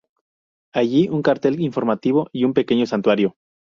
Hay allí un cartel informativo y un pequeño santuario.